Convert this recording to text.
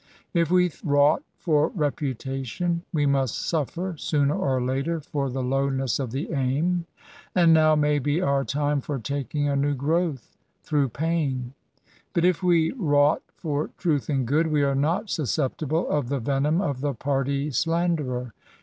If we wrought for reputation, we must puffer, sooner or later, for the lowness of the aim ; and now may be our time for taking a new growth through pain. But if we wrought for truth and good, we are not susceptible of the venom of the party slanderer.